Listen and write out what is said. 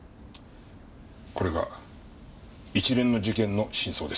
これが一連の事件の真相です。